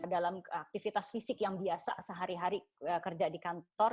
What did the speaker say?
dalam aktivitas fisik yang biasa sehari hari kerja di kantor